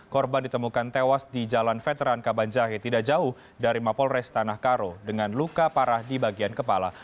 korban ditemukan tewas di jalan veteran kabanjahe tidak jauh dari mapolres tanah karo dengan luka parah di bagian kepala